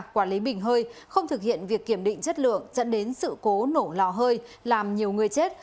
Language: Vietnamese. quản lý bình hơi không thực hiện việc kiểm định chất lượng dẫn đến sự cố nổ lò hơi làm nhiều người chết